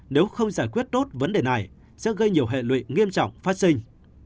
nếu không giải quyết tốt vấn đề này sẽ gây nhiều hệ lụy nghiêm trọng phát sinh